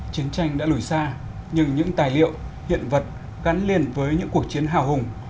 chiến tranh đã lùi xa nhưng những tài liệu hiện vật gắn liền với những cuộc chiến hào hùng